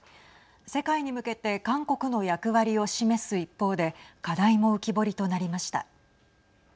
世界に向けて韓国の役割を示す一方で課題も浮き彫りとなりました。